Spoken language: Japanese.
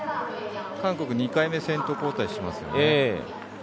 韓国、２回目先頭交代しますね。